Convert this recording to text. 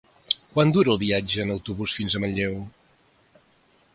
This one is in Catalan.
Quant dura el viatge en autobús fins a Manlleu?